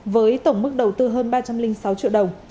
với tổng mức đầu tư hơn ba trăm linh sáu triệu đồng